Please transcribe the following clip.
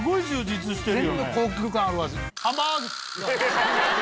全部高級感ある味。